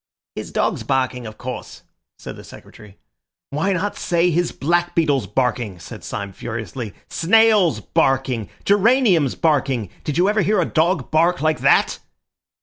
"His dogs barking, of course," said the Secretary. "Why not say his black beetles barking!" said Syme furiously, "snails barking! geraniums barking! Did you ever hear a dog bark like that?"